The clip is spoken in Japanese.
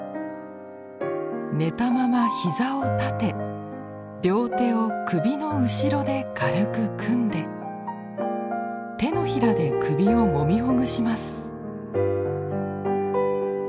寝たまま膝を立て両手を首の後ろで軽く組んで手のひらで首をもみほぐします。